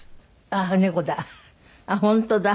あっ本当だ。